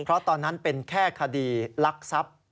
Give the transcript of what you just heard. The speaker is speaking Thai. เพราะตอนนั้นเป็นแค่คดีลักทรัพย์